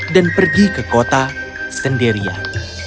dan pergi ke kota sendirian